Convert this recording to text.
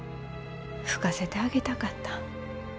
吹かせてあげたかった。